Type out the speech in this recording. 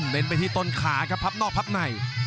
ไปที่ต้นขาครับพับนอกพับใน